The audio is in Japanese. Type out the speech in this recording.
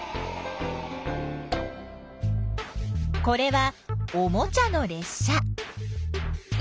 これはおもちゃのれっ車。